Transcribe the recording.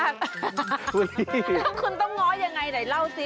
แล้วคุณต้องง้อยอย่างไรเดี๋ยวเล่าซิ